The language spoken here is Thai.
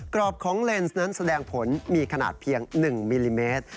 กรอบของเลนส์นั้นแสดงผลมีขนาดเพียง๑มิลลิเมตร